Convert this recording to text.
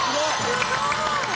すごい。